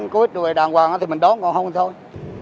có ít đùi đàng hoàng thì mình đón còn không thì thôi